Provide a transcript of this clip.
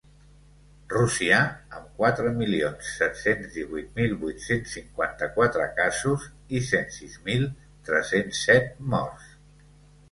Rússia, amb quatre milions set-cents divuit mil vuit-cents cinquanta-quatre casos i cent sis mil tres-cents set morts.